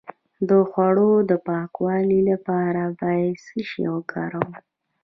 د خوړو د پاکوالي لپاره باید څه شی وکاروم؟